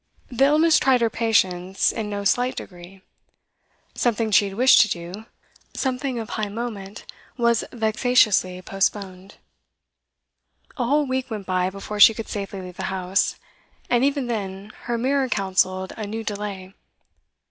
This illness tried her patience in no slight degree. Something she had wished to do, something of high moment, was vexatiously postponed. A whole week went by before she could safely leave the house, and even then her mirror counselled a new delay.